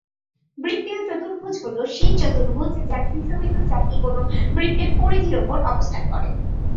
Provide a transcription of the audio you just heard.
বৃত্তীয় চতুর্ভুজ হল সেই চতুর্ভুজ যার শীর্ষ বিন্দু চারটি কোন বৃত্তের পরিধির উপর অবস্থান করে।